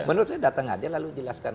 menurut saya datang aja lalu jelaskan